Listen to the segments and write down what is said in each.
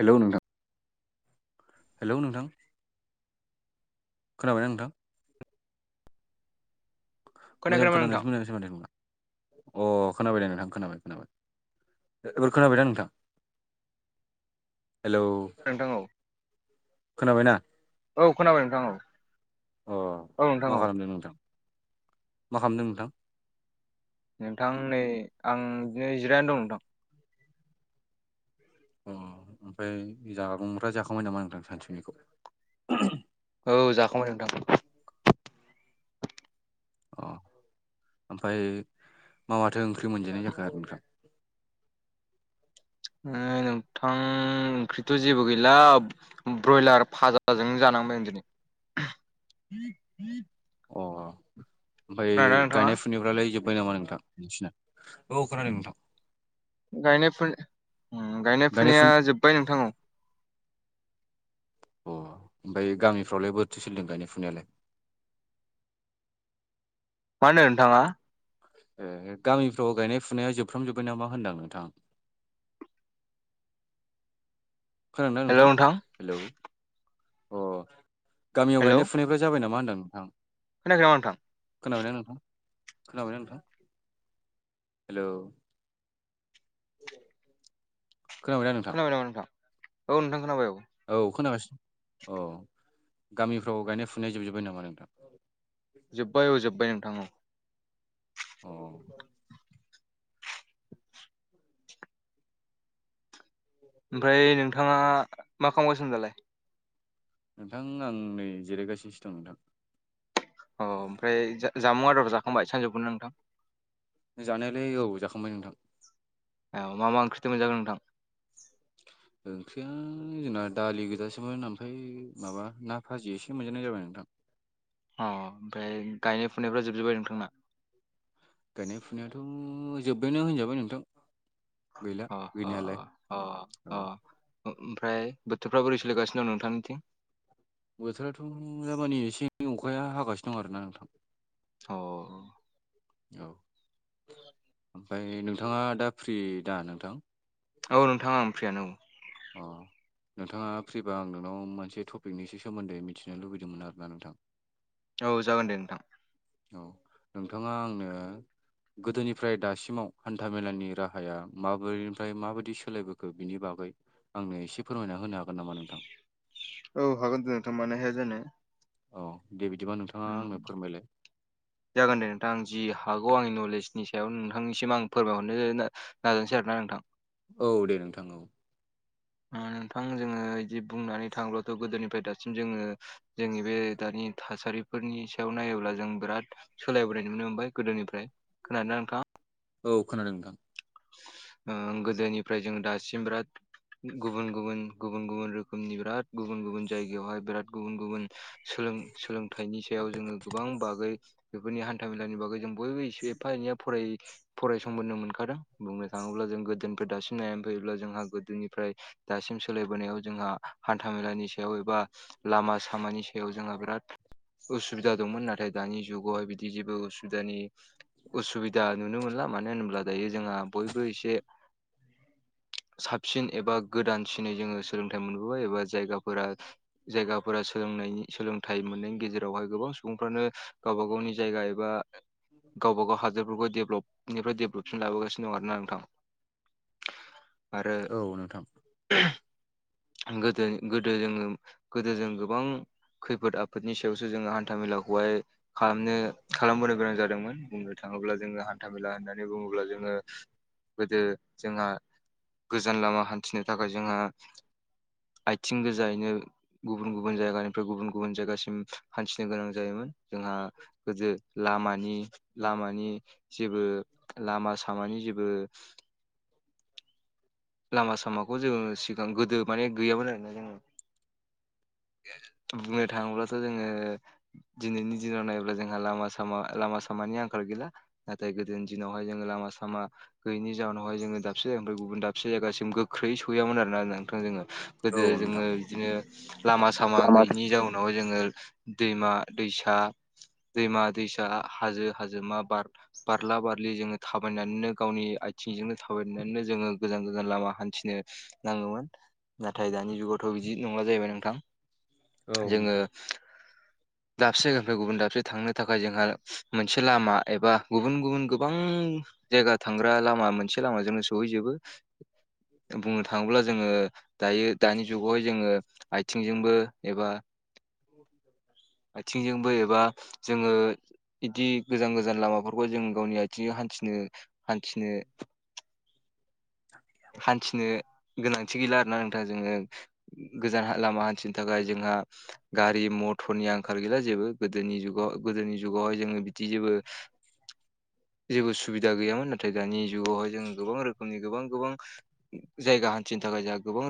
Hello नोंथां hello नोंथां खोनाबाय नोंथां मोजां खोनायाखै नामा नोंथां? खोनानोसो मोजां सोमोन्थों ना अ खोनाबाय द नोंथां खोनाबाय खोनाबाय एबार खोनाबायदा नोंथां हेलौ नोंथां औ खोनाबायना औ खोनाबाय नोंथां औ अ औ नोंथां मा औ खालामदों नोंथां मा खामदों नोंथां नोंथां नै आं बिदिनो जिरायनो दं नोंथां उम ओमफ्राय जामु फ्रा जाखांबाय नामा नोंदां सानसुफुनिखौ औ जाखांबाय नोंथां अ ओमफ्राय मा माथो ओंख्रि मोनजानाय जाखो आरो ओमफ्राय नै नोंथां ओंख्रिथ' जेबो गैला ब्रयलार फाजाजों जानांबाय दिनि [inaudible] [inaudible] अ ओमफ्राय खोनादोंना नोंथाङा? गायनाय फुना यफ्रालाय जोब्बाय नामा नोंथां नोंसिना औ खोनादों नोंथां गायनाय फुनाय उम गायनाय फुनाया जोब्बाय नोंथां औ अ ओमफ्राय गामिफ्रावलाय बोरैथो सोलिदों गायनाय फुनायालाय मा होनदों नोंथाङा? ए गामिफ्राव गायनाय फुनाया जोबफ्राम जोब्बाय नामा होनदां नोंथां खोनादोंना नोंथां हेलौ अ गामियाव हेल' गायनाय फुनायफ्रा जाबाय नामा होनदों आं नोंथां खोनायाखै नामा नोंथां खोनाबायना नोंथां खोनाबायना नोंथां हेलौ खोनाबायना? खोनाबायना नोंथां औ नोंथां खोनाबाय औ औ खोनागासिनो औ गामिफ्राव गायनाय फुनाय जोबजोब्बाय नामा नोंथां जोब्बाय औ जोब्बाय नोंथां औ अ [inaudible] ओमफ्राय नोंथाङा मा खालामगासिनो दालाय? नोंथां आं नै जिरायगासिसो दं नोंथां अ ओमफ्राय जामुं आदार जाखांबाय सानजुफुनि नोंथां जानायालाय औ जाखांबाय नोंथां औ मा मा ओंख्रिथो मोनजाखो नोंथां ओंख्रिया जोंना दालि गोजासोमोन ओमफ्राय माबा ना भाजि एसे मोनजानाय जाबाय नोंथां अ ओमफ्राय गायनाय फुनायफ्रा जोबजोब्बाय नोंथांना? गायनाय फुनायाथ' जोब्बायना होनजाबाय नोंथां गैला गैनायालाय औ अ-अ-अ-अ ओमफ्राय बोथोरफ्रा बोरै सोलिगासिनो दं नोंथांनिथिं बोथोराथ' दा मानि एसे एनै अखाया हागासिनो दं आरोना नोंथां अ औ [inaudible] ओमफ्राय नोंथाङा दा फ्रि दा नोंथां औ नोंथां आं फ्रियानो औ अ नोंथाङा फ्रिबा आं नोंनाव मोनसे टपिकनिसो सोमोन्दै मिथिनो लुबैदोंमोन आरोना नोंथां औ जागोन दे नोंथां औ नोंथाङा आंनो गोदोनिफ्राय दासिमाव हान्था मेलानि राहाया माबोरैनिफ्राय माबायदि सोलायबोखो बिनि बागै आंनो एसे फोरमायना होनो हागोन नामा नोंथां औ हागोन दे नोंथां माने हाया जानो औ दे बिदिबा नोंथां उम जागोन दे नोंथां आं जि हागौ आंनि नलेजनि सायाव नोंथांनिसिम आं फोरमायहरनो ना नाजानिसै आरोना नोंथां औ दे नोंथां औ ओ नोंथां जोङो इदि बुंनानै थांब्लाथ' गोदोनिफ्राय दासिम जोङो जोंनि बे दानि थासारिफोरनि सायाव नायोब्ला जों बिराद सोलायबोनाय नुनो मोनबाय गोदोनिफ्राय खोनादों ना नोंथाङा औ खोनादों नोंथां ओ गोदोनिफ्राय जों दासिम बिराद गुबुन गुबुन गुबुन गुबुन रोखोमनि बिराद गुबुन गुबुन जायगायावहा बिराद गुबुन गुबुन सोलों सोलों थाइनि सायाव जोङो गोबां बागै बेफोरनि हान्था मेलानि बागै जों बयबो एसे एफा एनैया फराय फरायसंबोनो मोनखादों बुंनो थाङोब्ला जों गोदोफ्राय दासिम नायनानै फैयोब्ला जोंहा गोदोनिफ्राय दासिम सोलायबोनायाव जोंहा हान्था मेलानि सायाव एबा लामा सामानि सायाव जोंहा बिराद उसुबिदा दंमोन नाथाय दानि जुगावहाय बिदि जेबो उसुबिदानि उसुबिदा नुनो मोनला मानो होनोब्ला दायो जोंहा बयबो एसे साबसिन एबा गोदानसिनै जोङो सोलोंथाइ मोनबोबाय एबा जायगाफोरा जायगाफोरा सोलोंनायनि सोलोंथाइ मोननायनि गेजेरावहाय गोबां सुबुंफ्रानो गावबा गावनि जायगा एबा गावबा गाव हादोरफोरखौ डेभेलपनिफ्राय डेभेलपसिन लाबोगासिनो दं आरोना नोंथां आरो औ नोंथां गोदो गोदो जोङो गोदो जों गोबां खैफोद आफोदनि सायावसो जोङो हान्था मेलाखौहाय खालामनो खालामबोनो गोनां जादोंमोन बुंनो थाङोब्ला जोङो हान्थामेला होननानै बुङोब्ला जोङो गोदो जोंहा गोजान लामा हान्थिनो थाखाय जोंहा आइथिं गोजायैनो गुबुन गुबुन जायगानिफ्राय गुबुन गुबुन जायगासिम हान्थिनो गोनां जायोमोन जोंहा गोदो लामानि लामानि जेबो लामा सा सामानि जेबो लामा सामाखौ जोङो सिगां गोदो माने गैयामोन आरोना जोङो ओ बुंनो थाङोब्लासो जोङो दिनैनि दिनाव नायोब्ला जोंहा लामा सामा लामा सामानि आंखाल गैला नाथाय गोदो दिनावहाय जोङो लामा सामा गैयिनि जाउनावहाय जोङो दाबसे जायगानिफ्राय गुबुन दा बसे जायगासिम गोख्रै सहैयामोन आरोना नोंथां जोङो गोदो औ जोङो नोंथां बिदिनो लामा सामा लामा गैयिनि जाउनावहाय जोङो दैमा दैसा दैमा दैसा हाजो हाजोमा बार बारला बारलि जोङो थाबायनानैनो गावनि आइथिंजोंनो थाबायनानैनो जोङो गोजान गोजान लामा हान्थिनो नाङोन नाथाय दानि जुगावथ' बिदि नंला जाहैबाय नोंथां औ जोङो नोंथां [inaudible] दाबसे जायगानिफ्राय गुबुन दाबसे थांनो थाखाय जोंहा मोनसे लामा एबा गुबुन गुबुन गोबां जायगा थांग्रा लामा मोनसे लामाजोंनो सहैजोबो बुंनो थाङोब्ला जोङो दायो दानि जुगावहाय जोङो आइथिंजोंबो एबा [inaudible] आइथिंजोंबो एबा जोङो इदि गोजान गोजान लामाफोरखौहाय जों गावनि आथिंजों हान्थिनो हान्थिनो [inaudible] हान्थिनो गोनांथि गैला आरोना नोंथाङा जोङो गोजान लामा हान्थिनो थाखाय जोंहा गारि मथरनि आंखाल गैला जेबो गोदोनि जुगाव गोदोनि जुगावहाय जोङो बिदि जेबो [inaudible] जेबो सुबिदा गैयामोन नाथाय दानि जुगावहाय जोंङो गोबां रोखोमनि गोबां गोबां जायगा हान्थिनो थाखाय जोंहा गोबां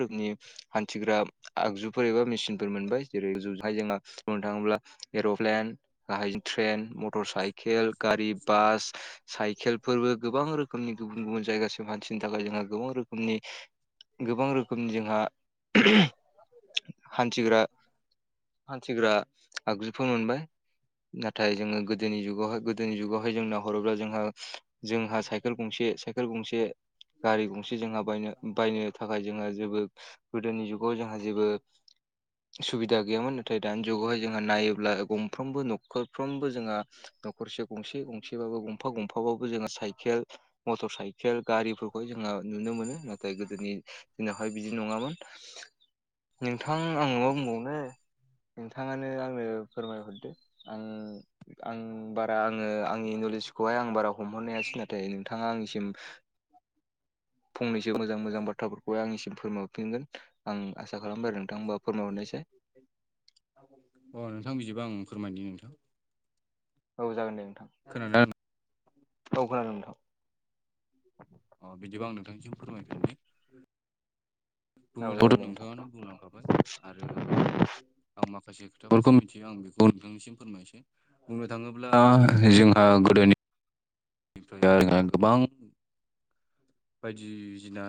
रोखोमनि हान्थिग्रा आगजुफोर एबा मेसिनफोर मोनबाय जेरैगुहाय जोंहा बुंनो थाङोब्ला एर'प्लेन गाहाय ट्रेन मटर साइकेल गारि बास साइकेलफोरबो गोबां रोखोमनि गुबुन गुबुन जायगासिम हान नि थाखाय जोंहा गोबां रोखोमनि गोबां रोखोमनि जोंहा हान्थिग्रा हान्थिग्रा आगजुफोर मोनबाय नाथाय जोङो गोदोनि जुगावाय गोदोनि जुगावहाय जों नायहरोब्ला जोंहा जोंहा साइकेल गंसे साइकेल गंसे गारि गंसे जोंहा बायनो बायनो थाखाय जोंहा जेबो गोदोनि जुगाव जोंहा जेबो सुबिदा गैयामोन नाथाय दानि जुगावहाय जोंहा नायोब्ला गंफ्रोमबो न'खरफ्रोमबो जोंहा न'खरसे गंसे गंसेबाबो गंफा गंफाबाबो जोङो साइकेल मटर सा इकेल गारिफोरखौ जोंङहा नुनो मोनो नाथाय गोदोनि दिनावहाय बिदि नङामोन नोंथां आंनो माबा बुंबावनो नोंथाङानो आंनो फोरमायहरदो आं आं बारा आङो आंनि नलेजखौहाय आं बारा हमहरनाय हासै नाथाय नोंथाङा आंनिसिम फंनैसो मोजां मोजां बाथ्रा फोर फोरमायफिनगोन आं आसा खालामबाय आरो नोंथांबा फोरमाय हरनायसै अ नोंथां बिदिबा आं फोरमायदि नोंथां औ जागोन दे नोंथां खोनादों आरो ना? औ खोनादों नोंथां अ बिदिबा आं नोंथांनिसिम फोरमायदिनि बुंनो औ थावदों जागोन दे नोंथां नोंथाङानो बुंलांखाबाय आरो आं माखासे खोथाफोरखौ मिथियो आं बेखौ नोंथांनिसिम फोरमायनो बुंनो थाङोब्ला जोंहा गोदोनि बेफोरा गोबां बायदिसिना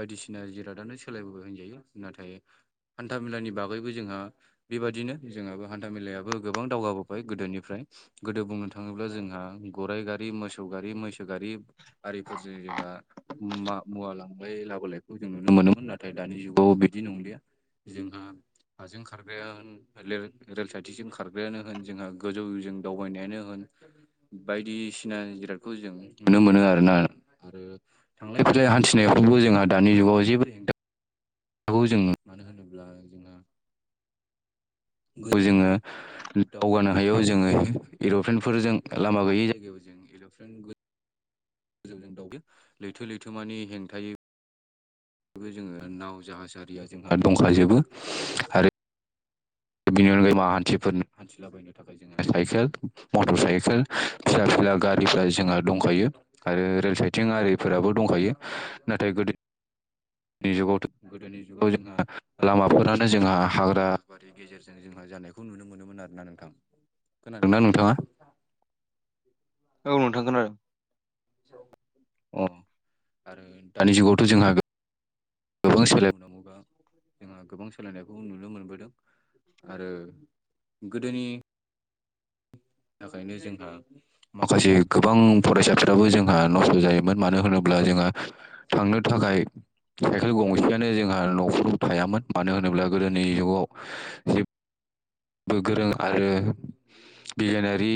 बायदिसिना जिरादानो सोलायबोबाय होनजायो नाथाय हान्थामेलानि बागैबो जोंहा बेबायादिनो जोंहाबो हान्था मेलायाबो गोबां दावगाबोबाय गोदोनिफ्राय गोदो बुंनो थाङोब्ला जोंहा गराइ गारि मोसौ गारि मैसो गारि आरिफोरजों जोंहा मुवा लांलाय लाबोलायखौ जों नुनो मोनोमोन नाथाय दानि जुगाव बिदि नंलिया जोंहा हाजों खारग्राया होन रेल साइटिसिम खारग्रायानो होन जोंहा गोजौजों दावबायनायानो होन बायदिसिना जिरादखौ जों नुनो मोनो आरोना आरो थांलाय फैलाय हान्थिनायावबो जोंहा दानि जुगाव जेबोे जोङो मानो होनोब्ला जों जोङो दावगानो हायाव जोङो एर'प्लेन फोरजों लामा गैयि जायगायाव जों इरल्पेन जों दावबायो लैथो लैथोमानि हेंथायै जोङो नाव जाहाज आरिया जोंहा दंखाजोबो आरो बेनि अनगायै मा हान्थि हान्थिलाबाय साइकेल मटर साइकेल फिसा फिला गारिफ्रा जोंहा दंखायो आरो रेल साइथिं आरिफोराबो दंखायो नाथाय गोदो नि जुगावथ' गोदोनि जुगाव जोंहा लामाफोरानो जोंहा हाग्रा गेजेरजों जोंहा जानायखौ नुनो मोनोमोन आरो ना नोंथां खोनादोंना नोंथाङा औ नोंथां खोनादों आरो अ आरो दानि जुगावथ' जोंहा गोबां सोलायबोनांगौ जोंहा गोबां सोलायनाय नुनो मोनबोदों आरो गोदोनि थाखायनो जोंहा माखासे गोबां फरायसाफोराबो जोंहा नस्थ' जायोमोन मानो होनोब्ला जोंहा थांनो थाखाय साइकेल गंसेयानो जोंहा न'खराव थायामोन मानो होनोब्ला गोदोनि जुगाव जे गोरों आरो बिगियानारि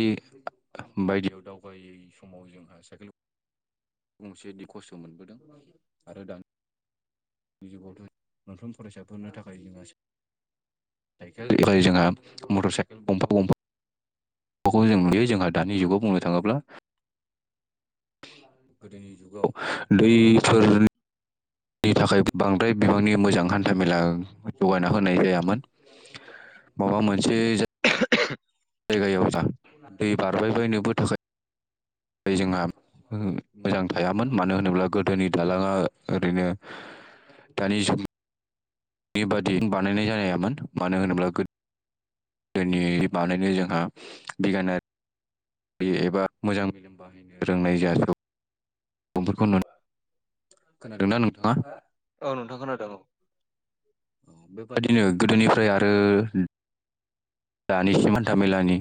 बायदियाव दावगायो समाव जोंहा साइकेल गंसे बि खस्थ' मोनबोदों आरो दा जगावथ' मोनफ्रोम फरायसाफोरनो थाखाय जोंहा साइकेल जोंहा मटर साइकेल गंफा गंफा खौ जों नुयो जोंहा दानि जुगाव बुंनो थांङोब्ला गोदोनि जुगाव दैफोरनि नि थाखाय बांद्राय बिबांनि मोजां हान्थाामेला जौगाना होनाय जायामोन माबा मोनसे जा [inaudible] जायगायाव जा दै बारबायबायनोबो थाखाय जोंहा मोजां थायामोन मानो होनोब्ला गोदोनि दालांङा ओरैनो दानि जुगनि नि बादि बानायनाय जानायामोन मानो होनोब्ला गो दोनि बानायनो जोंहा बिगियानारि एबा मोजां मेलेम बाहायनो रोंनाय जायासै [unintelligible] खोनादोंना नोंथाङा औ नोंथांखौ खोनादों औ बेबादिनो गोदोनिफ्राय आरो दानिसिम हान्था मेलानि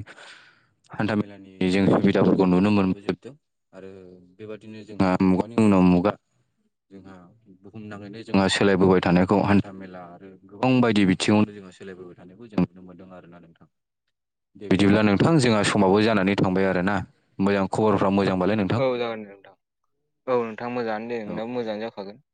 हान्था मेलानि जों सुबिदाफोरखौ नुनो मोनबोजोबदों आरो आरो बेबादिनो जोंहा मुगानि उनाव मुगा जोंहा बुहुमनााङैनो जोंहा सोलायबोबाय थानायखौ हान्था मेला आरो गोबां बायदि बिथिंङावनो जोंहा सोलायबो थानायखौ जों नुनो मोनदों आरोना नोंथां दे बिदिब्ला नोंथां जोंहा समावबो जानानै थांबाय आरो ना मोजां खबरफ्रा मोजांबालाय नोंथां औ जागोन दे नोंथां औ नोंथां मोजांङानो दे नोंनाबो मोजांङानो जाखागोन